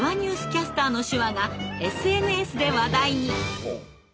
キャスターの手話がＳＮＳで話題に。